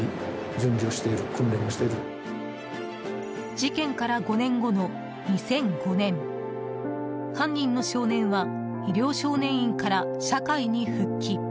事件から５年後の２００５年犯人の少年は医療少年院から社会に復帰。